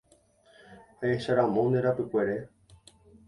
Ahecharamo nde rapykuere.